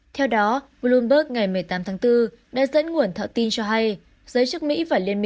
theo đó bloomberg ngày một mươi tám tháng bốn đã dẫn nguồn thợ tin cho hay giới chức mỹ và liên mỹ